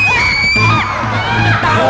mau kemana lu